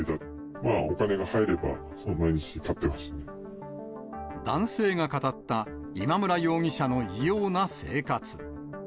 まあ、お金が入れば、毎日買って男性が語った、今村容疑者の異様な生活。